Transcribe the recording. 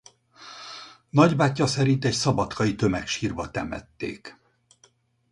Nagybátyja szerint egy szabadkai tömegsírba temették.